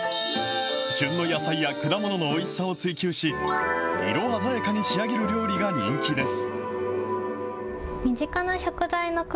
旬の野菜や果物のおいしさを追求し、色鮮やかに仕上げる料理が人気です。